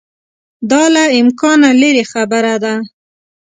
دا له امکانه لیري خبره ده.